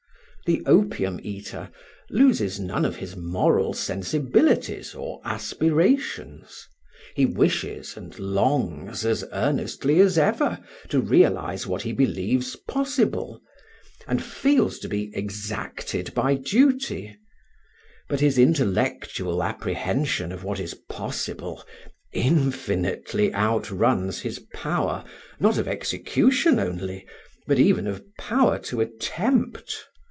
The opium eater loses none of his moral sensibilities or aspirations. He wishes and longs as earnestly as ever to realize what he believes possible, and feels to be exacted by duty; but his intellectual apprehension of what is possible infinitely outruns his power, not of execution only, but even of power to attempt.